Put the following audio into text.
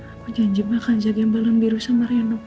aku janji banget jagain balon biru sama rino